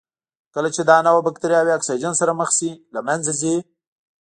کله چې دا نوعه بکټریاوې اکسیجن سره مخ شي له منځه ځي.